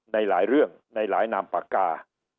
ในหลายเรื่องในหลายนามปากกา